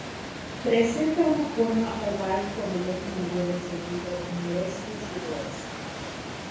Presenta una forma oval con el eje mayor en sentido noreste-sudoeste.